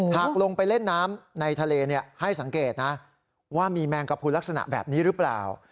หากลงไปเล่นน้ำในทะเลให้สังเกตนะว่ามีแมงกระพุนลักษณะแบบนี้หรือเปล่า